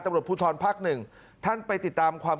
ตำรวจภูทรภักดิ์๑ท่านไปติดตาม